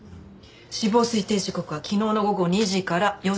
死亡推定時刻は昨日の午後２時から４時の間。